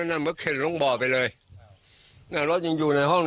เรือน์บบอไปเลย